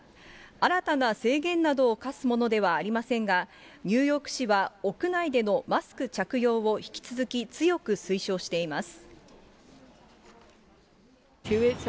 新たな制限などを課すものではありませんが、ニューヨーク市は、屋内でのマスク着用を、引き続き強く推奨しています。